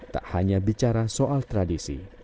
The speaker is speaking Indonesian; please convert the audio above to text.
tak hanya bicara soal tradisi